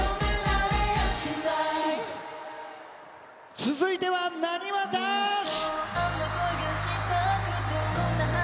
続いては、なにわ男子！